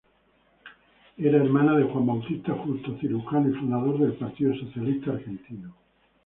Era hermana de Juan Bautista Justo, cirujano y fundador del Partido Socialista argentino.